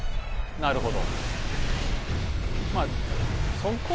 なるほど。